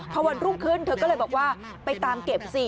พอวันรุ่งขึ้นเธอก็เลยบอกว่าไปตามเก็บสิ